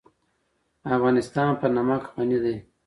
افغانستان په نمک غني دی.